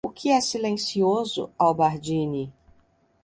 O que é silencioso, Albardine.